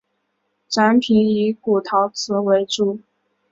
展品以古陶瓷为主。